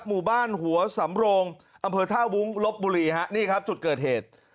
หมู่บ้านหัวสำโรงอำเภอท่าวุ้งลบบุรีฮะนี่ครับจุดเกิดเหตุ